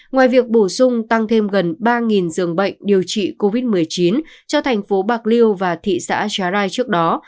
ngoài việc bổ sung tăng thêm gần ba dường bệnh điều trị covid một mươi chín cho thành phố bạc liêu và thị xã charai trước đó